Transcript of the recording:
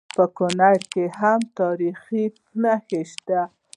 په کونړ کې هم تاریخي نښې شته